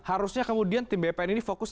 harusnya kemudian tim bpn ini fokus